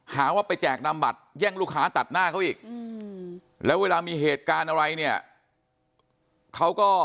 หาว่าไปแจกนำบัตรแย่งลูกค้าตัดหน้าเขาอีก